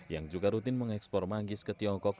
yang juga rutin mengekspor manggis ke tiongkok